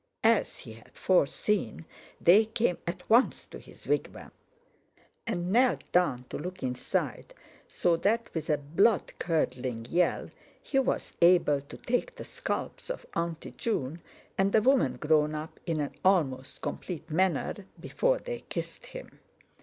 As he had foreseen, they came at once to his wigwam and knelt down to look inside, so that with a blood curdling yell he was able to take the scalps of "Auntie" June and the woman "grown up" in an almost complete manner before they kissed him.